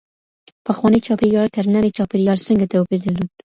پخوانی چاپېریال تر ننني چاپېریال څنګه توپیر درلود؟